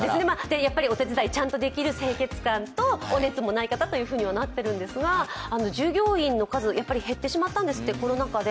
やっぱりお手伝いがちゃんとできる、清潔感とお熱もない方ということですが、従業員の数、やっぱり減ってしまったんですって、コロナ禍で。